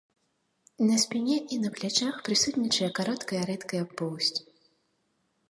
На спіне і на плячах прысутнічае кароткая рэдкая поўсць.